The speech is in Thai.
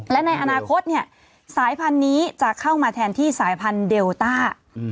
และในอนาคตสายพันธุ์นี้จะเข้ามาแทนที่สายพันธุ์เดลต้า